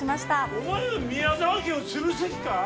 お前は宮沢家を潰す気か？